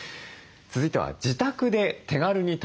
続いては自宅で手軽に楽しめる